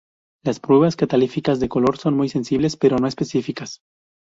Las pruebas catalíticas de color son muy sensibles, pero no específicas.